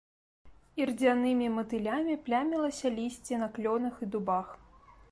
Ірдзянымі матылямі плямілася лісце на клёнах і дубах.